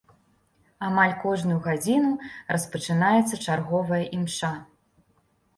Амаль кожную гадзіну распачынаецца чарговая імша.